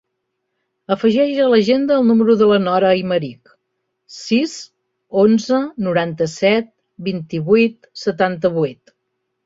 Afegeix a l'agenda el número de la Nora Aymerich: sis, onze, noranta-set, vint-i-vuit, setanta-vuit.